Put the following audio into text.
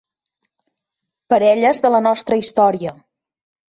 "Parelles de la nostra història"